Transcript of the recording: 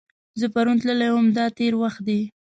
زه پرون تللی وم – دا تېر وخت دی.